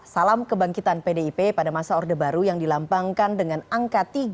salam kebangkitan pdip pada masa orde baru yang dilambangkan dengan angka tiga